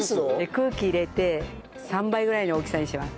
空気入れて３倍ぐらいの大きさにします。